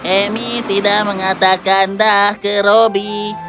emi tidak mengatakan dah ke robby